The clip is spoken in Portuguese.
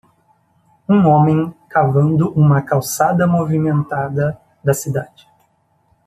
Um homem cavando uma calçada movimentada da cidade.